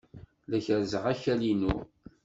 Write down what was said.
La kerrzeɣ akal-inu.